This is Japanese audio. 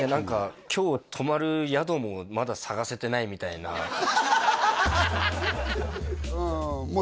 今日泊まる宿もまだ探せてないみたいなうんもう